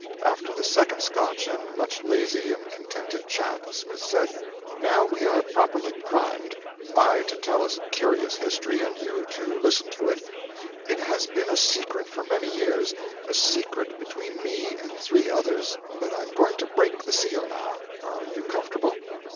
After the second Scotch and much lazy and contented chat, Smith said: 'Now we are properly primed I to tell a curious history and you to listen to it. It has been a secret for many years a secret between me and three others; but I am going to break the seal now. Are you comfortable?'